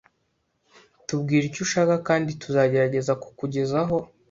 Tubwire icyo ushaka kandi tuzagerageza kukugezaho